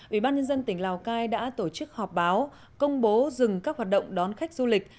ủy ban nhân dân tỉnh lào cai đã tổ chức họp báo công bố dừng các hoạt động đón khách du lịch